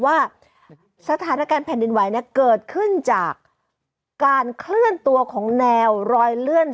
ว่าสถานการณ์แผ่นดินไหวเนี่ยเกิดขึ้นจากการเคลื่อนตัวของแนวรอยเลื่อน